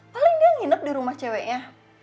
paling dia nginep di rumah ceweknya